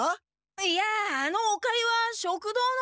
いやあのおかゆは食堂の。